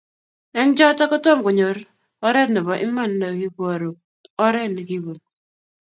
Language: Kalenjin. Eng choto kotomo konyor oret ne bo iman ne iboru oret ne kibun